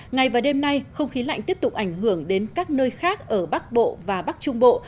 ngày và đêm nay không khí lạnh tiếp tục ảnh hưởng đến các nơi khác ở bắc bộ và bắc trung bộ